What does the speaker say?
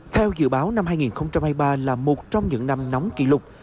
theo dự báo năm hai nghìn hai mươi ba là một trong những năm nóng kỷ lục